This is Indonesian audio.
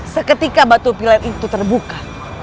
seketika batu pilek itu terbuka